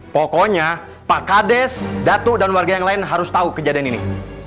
pokoknya pak kades datu dan warga yang lain harus tahu kejadian ini